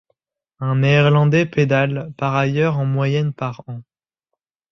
Un Néerlandais pédale par ailleurs en moyenne par an.